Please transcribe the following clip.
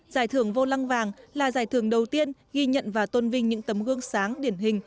giải thưởng vô lăng vàng là giải thưởng đầu tiên ghi nhận và tôn vinh những tấm gương sáng điển hình